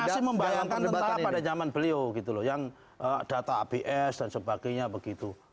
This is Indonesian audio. masih membayangkan pada zaman beliau gitu loh yang data abs dan sebagainya begitu